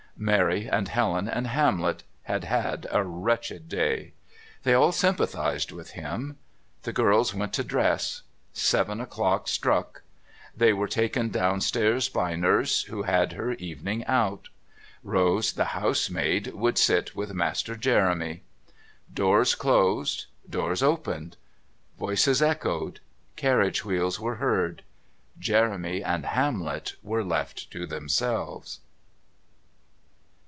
Mary and Helen and Hamlet had had a wretched day. They all sympathised with him. The girls went to dress. Seven o'clock struck. They were taken downstairs by Nurse, who had her evening out. Rose, the housemaid, would sit with Master Jeremy. Doors closed, doors opened, voices echoed, carriage wheels were heard. Jeremy and Hamlet were left to themselves...